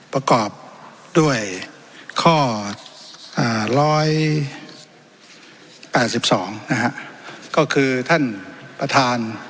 ประกอบด้วยข้ออ่าร้อยแปดสิบสองนะฮะก็คือท่านประธาน